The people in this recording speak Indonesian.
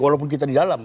walaupun kita di dalam